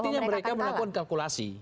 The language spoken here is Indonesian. artinya mereka melakukan kalkulasi